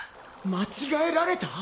間違えられた！？